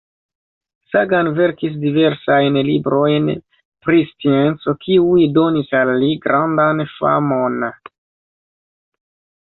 Sagan verkis diversajn librojn, pri scienco, kiuj donis al li grandan famon.